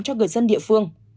cho người dân địa phương